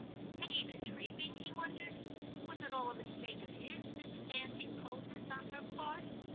' Had he been dreaming ? he wondered ; was it all a mistake of his, this fancied coldness on her part?